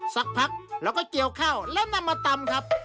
สักพักแล้วก็เกี่ยวข้าวและนำมาตำครับ